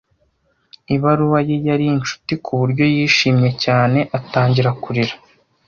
Ibaruwa ye yari inshuti kuburyo yishimye cyane atangira kurira.